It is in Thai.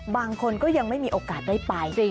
บางคนก็ยังไม่มีโอกาสได้ไป